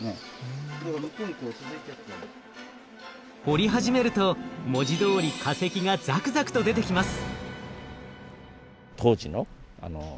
掘り始めると文字どおり化石がザクザクと出てきます。